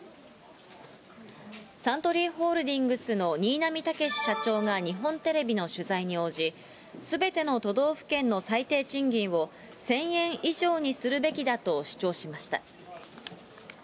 サントリーホールディングスの新浪たけし社長が日本テレビの取材に応じ、すべての都道府県の最低賃金を１０００円以上にするべきだと主張しました。